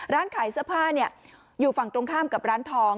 ร้านขายเสื้อผ้าอยู่ฝั่งตรงข้ามกับร้านทอง